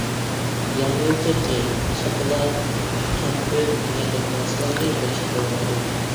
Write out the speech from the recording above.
ياڭيۇ قېقى، شاكىلات، كەمپۈت دېگەندەك نەرسىلەرنى بېرىشكە بولمايدۇ.